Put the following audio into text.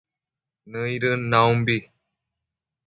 nëidën naumbi